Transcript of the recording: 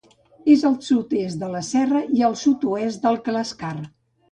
És al sud-est de la Serra i al sud-oest del Clascar.